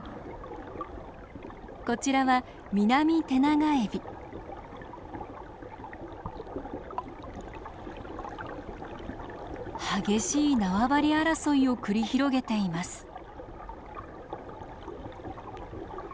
こちらは激しい縄張り争いを繰り広げています。